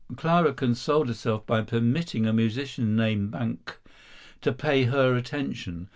Clara consoled herself by permitting a musician named Banck to pay her attention.